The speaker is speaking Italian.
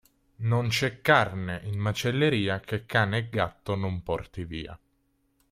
Non c'è carne in macelleria che cane o gatto non porti via.